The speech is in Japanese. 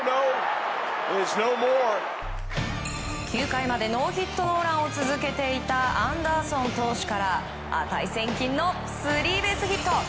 ９回までノーヒットノーランを続けていたアンダーソン投手から値千金のスリーベースヒット。